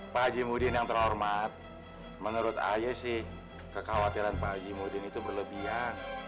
pak haji mudin yang terhormat menurut ayah sih kekhawatiran pak haji mudin itu berlebihan